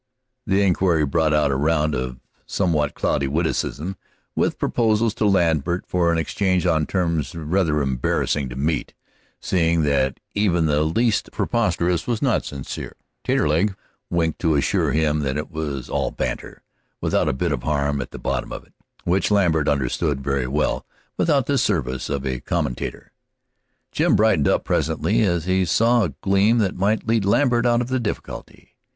The inquiry brought out a round of somewhat cloudy witticism, with proposals to Lambert for an exchange on terms rather embarrassing to meet, seeing that even the least preposterous was not sincere. Taterleg winked to assure him that it was all banter, without a bit of harm at the bottom of it, which Lambert understood very well without the services of a commentator. Jim brightened up presently, as if he saw a gleam that might lead Lambert out of the difficulty.